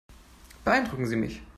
Beeindrucken Sie mich.